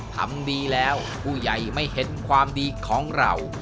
ทำดีแล้วผู้ใหญ่ไม่เห็นความดีของเรา